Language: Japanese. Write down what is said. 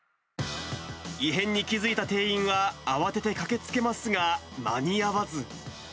異変に気付いた店員は慌てて駆けつけますが、間に合わず。